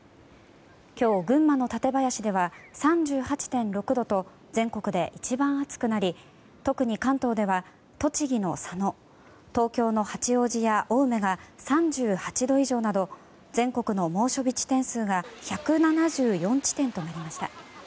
今日、群馬の館林では３８．６度と全国で一番暑くなり特に関東では栃木の佐野東京の八王子や青梅が３８度以上など全国の猛暑日地点数が１７４地点となりました。